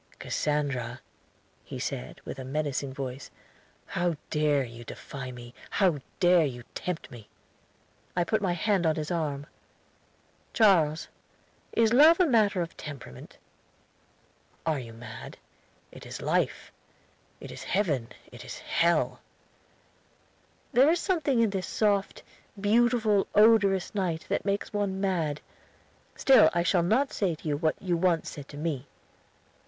"Cassandra," he said, with a menacing voice, "how dare you defy me? How dare you tempt me?" I put my hand on his arm. "Charles, is love a matter of temperament?" "Are you mad? It is life it is heaven it is hell." "There is something in this soft, beautiful, odorous night that makes one mad. Still I shall not say to you what you once said to me."